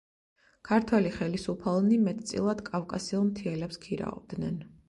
ქართველი ხელისუფალნი მეტწილად კავკასიელ მთიელებს ქირაობდნენ.